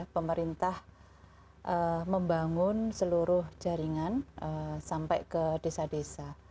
pemerintah membangun seluruh jaringan sampai ke desa desa